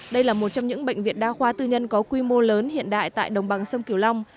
đây là một trong những bệnh viện đa khoa tư nhân có quy mô lớn hiện đại tại đồng bằng sông kiều long